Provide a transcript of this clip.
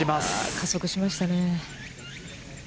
加速しましたね。